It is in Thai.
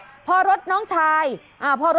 คุณผู้ชมไปดูอีกหนึ่งเรื่องนะคะครับ